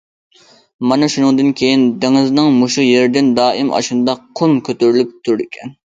مانا شۇنىڭدىن كېيىن دېڭىزنىڭ مۇشۇ يېرىدىن دائىم ئاشۇنداق قۇم كۆتۈرۈلۈپ تۇرىدىكەن.